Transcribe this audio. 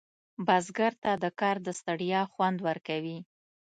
بزګر ته د کار د ستړیا خوند ورکړي